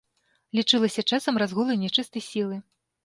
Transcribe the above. Лічылася часам разгулу нячыстай сілы.